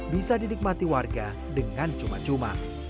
bisa didikmati warga dengan cukup